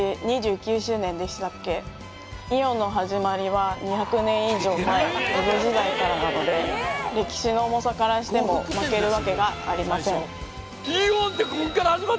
イオンの始まりは２００年以上前江戸時代からなので歴史の重さからしても負けるわけがありません